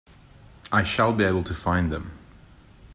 I shall be able to find them.